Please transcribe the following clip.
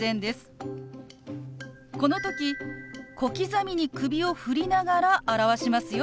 この時小刻みに首を振りながら表しますよ。